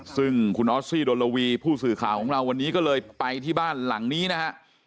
ซึ่งคุณอ๊อสซีโดโลวี่ผู้สื่อข่าววันนี้ก็เลยไปที่บ้านหลังนี้นะครับ